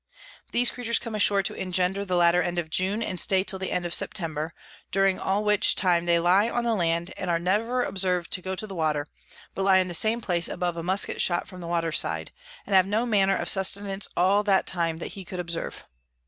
These Creatures come ashore to engender the latter end of June, and stay till the end of September; during all which time they lie on the Land, and are never observ'd to go to the Water, but lie in the same place above a Musket shot from the Water side, and have no manner of Sustenance all that time that he could observe.